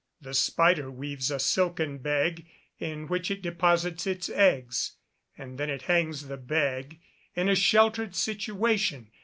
The spider weaves a silken bag in which it deposits its eggs, and then it hangs the bag in a sheltered situation.